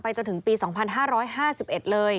จนถึงปี๒๕๕๑เลย